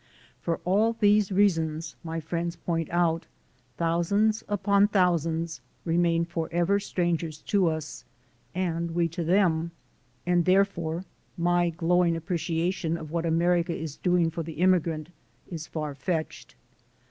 For all these reasons, my friends point out, thousands upon thousands remain forever strangers to us and we to them, and therefore my glowing appreciation of what America is doing for the immigrant is far fetched.